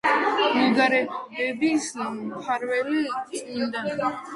ბულგარელების მფარველი წმინდანი.